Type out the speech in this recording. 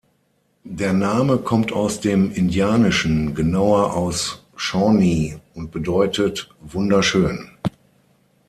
Der Name kommt aus dem Indianischen, genauer aus Shawnee, und bedeutet „wunderschön“.